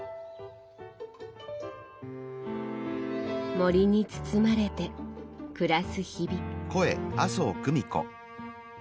森に包まれて暮らす日々。